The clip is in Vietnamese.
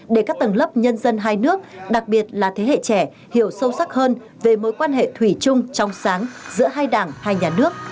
để các tầng lớp nhân dân hai nước đặc biệt là thế hệ trẻ hiểu sâu sắc hơn về mối quan hệ thủy chung trong sáng giữa hai đảng hai nhà nước